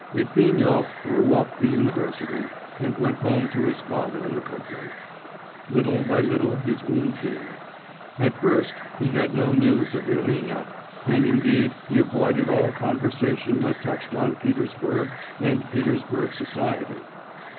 Litvinov threw up the university, and went home to his father in the country. Little by little his wound healed. At first he had no news of Irina, and indeed he avoided all conversation that touched on Petersburg and Petersburg society.